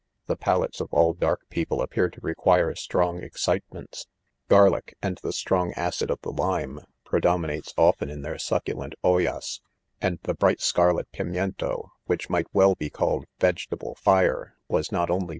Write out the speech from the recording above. The palates of all dark peo« pie appear to require strong excitements,,— Garlic, and the strong acid of the lime, pre* dominates often in their succulent alias $ and the bright scarlet pimiento, which might well he called vegetable fire, .was not ^ only